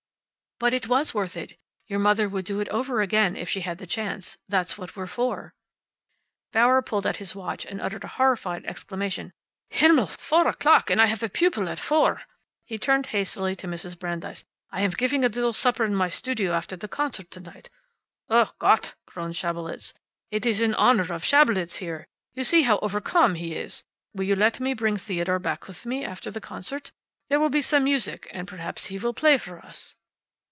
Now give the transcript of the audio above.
"But it was worth it. Your mother would do it all over again, if she had the chance. That's what we're for." Bauer pulled out his watch and uttered a horrified exclamation. "Himmel! Four o'clock! And I have a pupil at four." He turned hastily to Mrs. Brandeis. "I am giving a little supper in my studio after the concert to night." "Oh, Gott!" groaned Schabelitz. "It is in honor of Schabelitz here. You see how overcome he is. Will you let me bring Theodore back with me after the concert? There will be some music, and perhaps he will play for us."